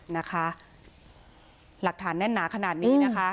นะคะหลักฐานแน่นหนาขนาดนี้นะคะ